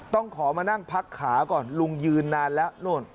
ต้องขอมานั่งพักขาก่อนลุงยืนนานแล้วนู่น